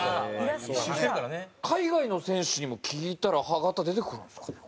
海外の選手にも聞いたら歯形出てくるんですかね？